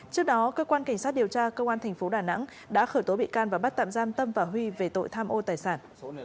trước đó cơ quan cảnh sát điều tra công an thành phố đà nẵng đã khởi tố bị can và bắt tạm giam tâm và huy về tội tham ô tài sản